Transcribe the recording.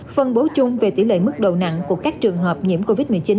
phân bố chung về tỷ lệ mức độ nặng của các trường hợp nhiễm covid một mươi chín